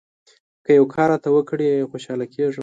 که یو کار راته وکړې ، خوشاله کېږم.